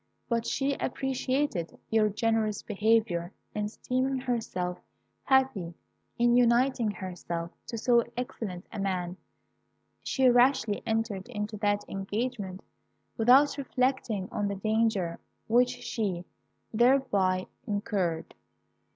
But she appreciated your generous behaviour, and esteeming herself happy in uniting herself to so excellent a man, she rashly entered into that engagement without reflecting on the danger which she thereby incurred.